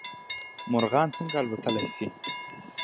مرغان څنګه الوتلی شي؟